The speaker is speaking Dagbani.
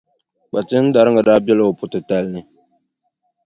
Kpatindariga daa bela o puʼ titali ni.